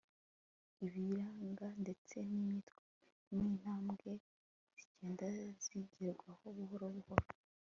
ibiyiranga ndetse n'intwambwe zigenda zigerwaho buhoro buhoro